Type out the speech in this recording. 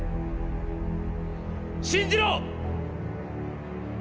信じろ！